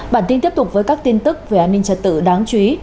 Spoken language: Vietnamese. bản tin tiếp tục với các tin tức về an ninh trật tự đáng chú ý